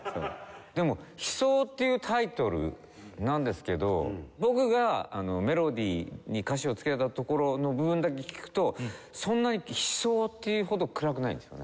でも『悲愴』っていうタイトルなんですけど僕がメロディーに歌詞をつけたところの部分だけ聴くとそんなに悲愴っていうほど暗くないんですよね。